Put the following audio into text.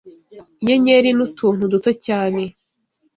inyenyeri n’utuntu duto cyane